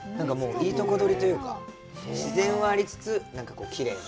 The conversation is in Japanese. いいとこ取りというか、自然はありつつ、きれいで。